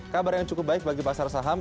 kabar yang cukup baik bagi pasar saham